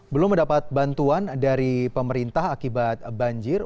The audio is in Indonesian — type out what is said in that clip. belum mendapat bantuan dari pemerintah akibat banjir